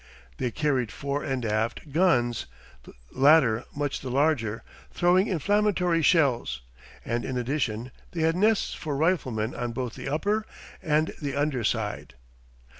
They carried fore and aft guns, the latter much the larger, throwing inflammatory shells, and in addition they had nests for riflemen on both the upper and the under side.